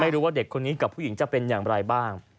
ไม่รู้ว่าเด็กคนนี้กับผู้หญิงจะเป็นอย่างไรบ้าง